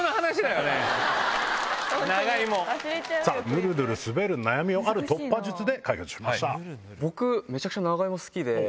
ぬるぬる滑る悩みをある突破術で解決しました。